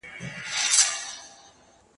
زه غښتلی یم له مځکي تر اسمانه